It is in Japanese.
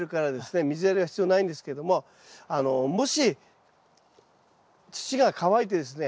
水やりは必要ないんですけどももし土が乾いてですね